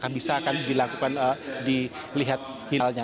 bisa akan dilakukan dilihat hilalnya